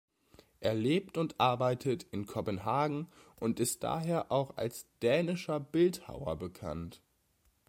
Er lebt und arbeitet in Kopenhagen und ist daher auch als dänischer Bildhauer bekannt.